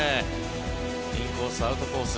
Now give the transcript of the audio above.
インコース、アウトコース